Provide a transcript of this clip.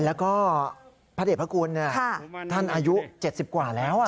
แล้วก็พระเด็จพระคุณท่านอายุ๗๐กว่าแล้ว